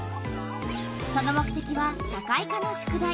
その目てきは社会科の宿題。